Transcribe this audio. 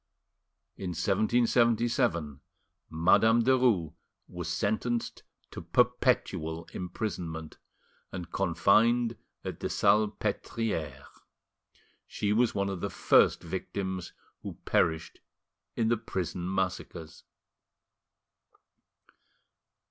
In 1777, Madame Derues was sentenced to perpetual imprisonment, and confined at the Salpetriere. She was one of the first victims who perished in the prison massacres.